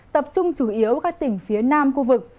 tập trung chủ yếu các tỉnh phía nam khu vực